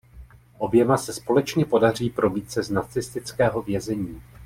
Oběma se společně podaří probít se z nacistického vězení.